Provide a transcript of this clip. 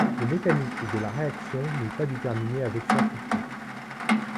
Le mécanisme de la réaction n'est pas déterminé avec certitude.